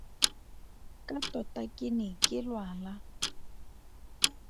Ka tota ke ne ke lwala.